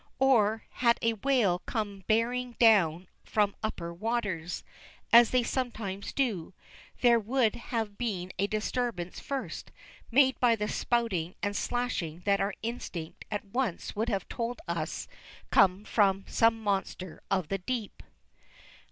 Or, had a whale come bearing down from upper waters, as they sometimes do, there would have been a disturbance first, made by the spouting and slashing that our instinct at once would have told us came from some monster of the deep.